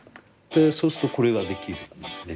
そうするとこれができるんですね。